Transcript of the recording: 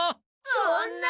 そんな！